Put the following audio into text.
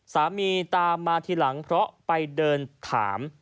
สามีตามมาทีหลังเพราะไปเดินถาม